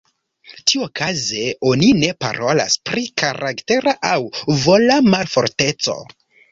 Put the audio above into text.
Tiuokaze, oni ne parolas pri karaktera aŭ vola malforteco.